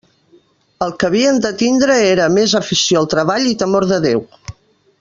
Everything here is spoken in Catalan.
El que havien de tindre era més afició al treball i temor de Déu.